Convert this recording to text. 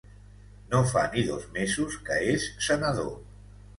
No fa ni dos mesos que és senador.